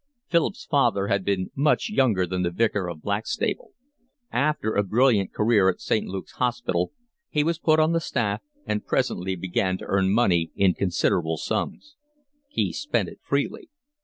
Philip's father had been much younger than the Vicar of Blackstable. After a brilliant career at St. Luke's Hospital he was put on the staff, and presently began to earn money in considerable sums. He spent it freely.